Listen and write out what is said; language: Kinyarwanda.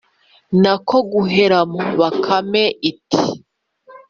na ko guheramo. bakame iti: “